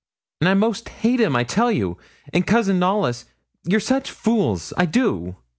an I 'most hate him, I tell you, and Cousin Knollys, you're such fools, I do.